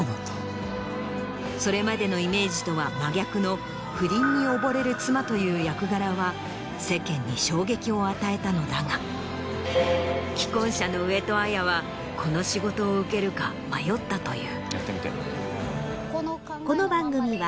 それまでのイメージとは真逆の不倫に溺れる妻という役柄は世間に衝撃を与えたのだが既婚者の上戸彩はこの仕事を受けるか迷ったという。